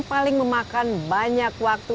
paling memakan banyak waktu